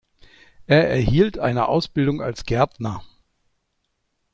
Er erhielt eine Ausbildung als Gärtner.